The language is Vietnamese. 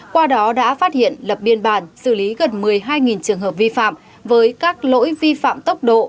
qua đó đã phát hiện lập biên bản xử lý gần một mươi hai trường hợp vi phạm với các lỗi vi phạm tốc độ